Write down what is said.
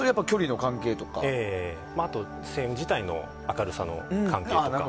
あと星雲自体の明るさの関係とか。